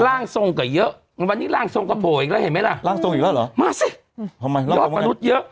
ล่างทรงก็เยอะวันนี้ล่างทรงกับบ่ออีกแล้วเห็นไหมล่ะมาสิดอกมนุษย์เยอะ